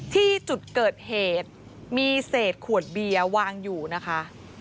ที่จุดเกิดเหตุมีเศษขวดเบียร์วางอยู่นะคะ